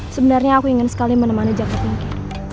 sebenarnya aku ingin sekali menemani jangka tinggi